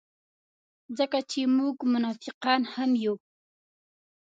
ځکه چې موږ منافقان هم یو.